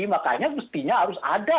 makanya mestinya harus ada